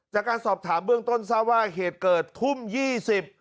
จากการสอบถามเบื้องต้นทราบว่าเหตุเกิดทุ่มยี่สิบ